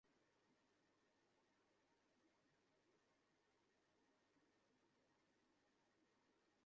তাঁরা মগ্ন হয়ে আছেন পুরোনো স্মৃতিটাকে প্রোজ্জ্বল বর্তমানের নিচে মাটিচাপা দিতে।